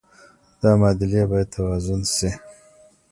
دا معادلې باید توازن شي.